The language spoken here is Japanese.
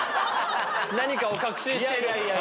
何かを確信している。